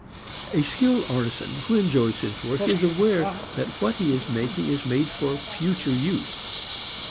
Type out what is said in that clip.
A skilled artisan who enjoys his work is aware that what he is making is made for future use.